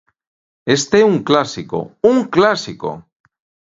Este é un clásico, ¡un clásico!